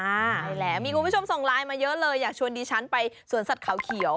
ใช่แล้วมีคุณผู้ชมส่งไลน์มาเยอะเลยอยากชวนดิฉันไปสวนสัตว์เขาเขียว